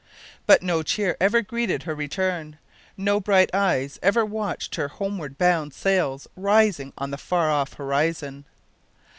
But no cheer ever greeted her return; no bright eyes ever watched her homeward bound sails rising on the far off horizon.